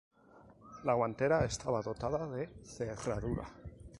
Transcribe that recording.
La guantera estaba dotada de cerradura.